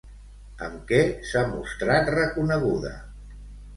Amb què s'ha mostrat reconeguda?